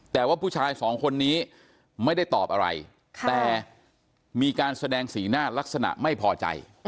แต่ว่าผู้ชายสองคนนี้ไม่ได้ตอบอะไรแต่มีการแสดงสีหน้าลักษณะไม่พอใจ